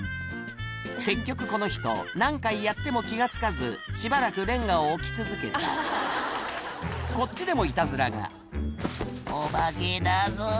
結局この人何回やっても気が付かずしばらくレンガを置き続けたこっちでもいたずらが「お化けだぞ」